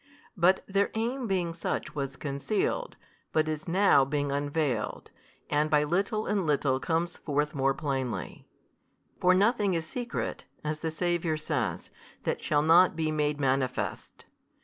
But their aim being such was concealed, but is now being unveiled, and by little and little comes forth more plainly. For nothing is secret, as the Saviour says, that shall not be made manifest.